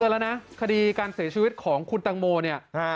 แล้วนะคดีการเสียชีวิตของคุณตังโมเนี่ย